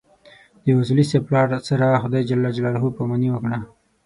د اصولي صیب پلار سره خدای ج پاماني وکړه.